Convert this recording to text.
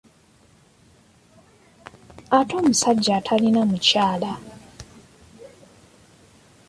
Ate omusajja atalina mukyala?